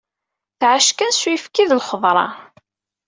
Tɛac kan s uyefki d lxeḍra.